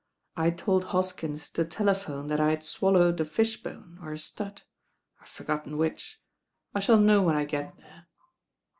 I told Hoskins to telephone that I had swallowed a fish bone, or a stud, I've forgotten which. I shall know when I get there."